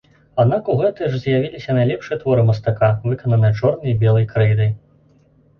Аднак у гэты ж з'явіліся найлепшыя творы мастака, выкананыя чорнай і белай крэйдай.